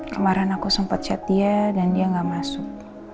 kemaren aku sempat chat dia dan dia gak masuk